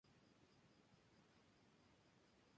Además, las dos se parecen entre sí.